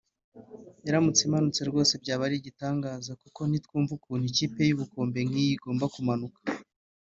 Iramutse imanutse rwose byaba ari igitangaza kuko ntitwumva ukuntu ikipe y’ubukombe nk’iyi igomba kumananuka